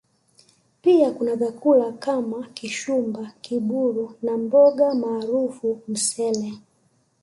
Pia kuna vyakula kama Kishumba Kibulu na mboga maarufu Msele